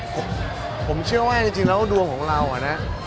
ก็ผมเชื่อว่าจริงรู้ดวงของเราน่ะ